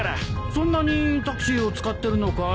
そんなにタクシーを使ってるのかい？